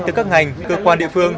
từ các ngành cơ quan địa phương